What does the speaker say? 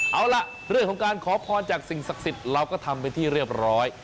เอาล่ะเรื่องของการขอพรจากสิ่งศักดิ์สิทธิ์เราก็ทำเป็นที่เรียบร้อย